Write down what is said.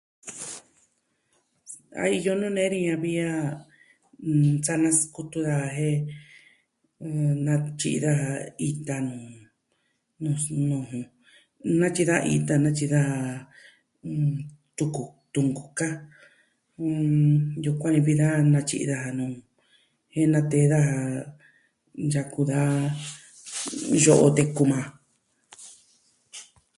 A iyo nuu nee ni a vi a sa naskutu daa jen ita nuu natyi daa ita nuu, nuu snuu ju, natyi da ita, natyi da tuku tunkukaa. Yukuan ni vi daa natyi daja nuu natee daja yaku da yoo teku maa.